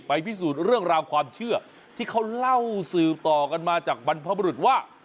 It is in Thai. พิสูจน์เรื่องราวความเชื่อที่เขาเล่าสืบต่อกันมาจากบรรพบรุษว่า